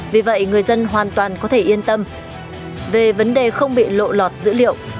vì vậy người dân hoàn toàn có thể yên tâm về vấn đề không bị lộ lọt dữ liệu